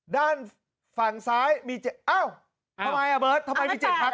ด้านฝั่งซ้ายมีอ้าวทำไมอ่ะเบิร์ตทำไมมี๗พัก